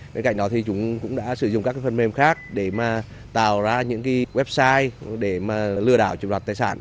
bên cạnh đó thì chúng cũng đã sử dụng các phần mềm khác để tạo ra những website để lừa đảo chiếm đoạt tài sản